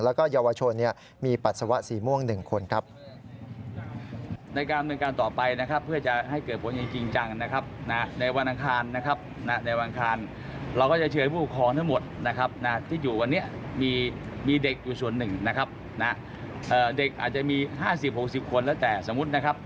แล้วก็เยาวชนมีปัสสาวะสีม่วง๑คนครับ